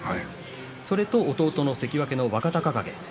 それと弟の関脇の若隆景